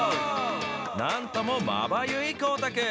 なんともまばゆい光沢。